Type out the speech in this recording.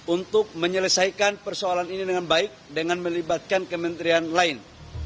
untuk menyelesaikan persoalan ini dengan baik dengan melibatkan kementerian lain